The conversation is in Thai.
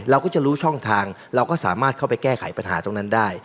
เราก็จะรู้ช่องทางเราก็สามารถเข้าไปแก้ไขปัญหาตรงนั้นได้